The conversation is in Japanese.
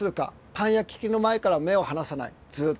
パン焼き器の前から目を離さないずっと。